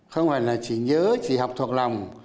không phải là chỉ nhớ chỉ học thuộc lòng